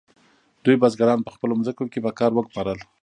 دوی بزګران په خپلو ځمکو کې په کار وګمارل.